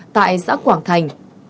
tại xã quảng thành